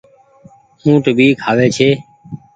اُٽ ڀي کآوي ڇي۔